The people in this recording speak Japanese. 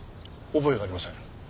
覚えがありません。